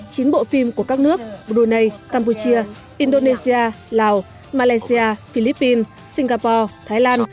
chín bộ phim của các nước brunei campuchia indonesia lào malaysia philippines singapore thái lan